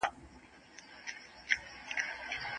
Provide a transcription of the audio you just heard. موږ باید له تېرو څخه زده کړه وکړو.